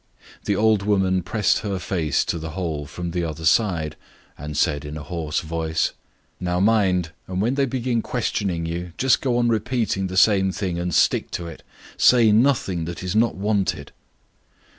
The old woman pressed her face to the grating from the other side, and said, in a hoarse voice: "Now mind, and when they begin questioning you, just repeat over the same thing, and stick to it; tell nothing that is not wanted."